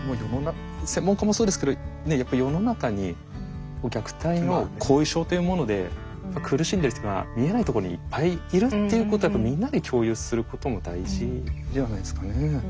専門家もそうですけどやっぱり世の中に虐待の後遺症というもので苦しんでいる人が見えないところにいっぱいいるっていうことをみんなで共有することも大事じゃないですかね。